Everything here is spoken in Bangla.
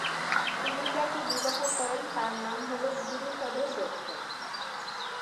তিনি যাকে বিবাহ করেন তার নাম হলো গুরুসদয় দত্ত।